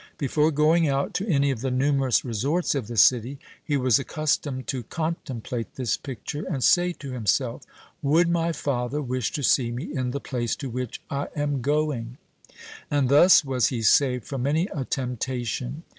Before going out to any of the numerous resorts of the city, he was accustomed to contemplate this picture, and say to himself, "Would my father wish to see me in the place to which I am going?" and thus was he saved from many a temptation.